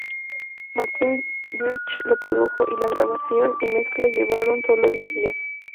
Martin Birch lo produjo, y la grabación y mezcla llevaron sólo diez días.